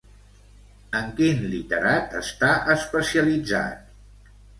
En quin literat està especialitzat?